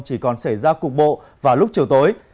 chỉ còn xảy ra cục bộ vào lúc chiều tối